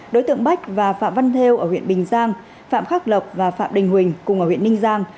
đối tượng bách và phạm văn theo ở huyện bình giang phạm khắc lộc và phạm đình huỳnh cùng ở huyện ninh giang